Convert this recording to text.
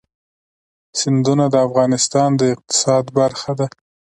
سیندونه د افغانستان د اقتصاد برخه ده.